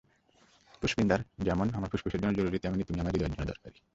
পুষ্পিন্দার যেমন আমার ফুসফুসের জন্য জরুরী, তেমনই তুমি আমার হৃদয়ের জন্য দরকারী!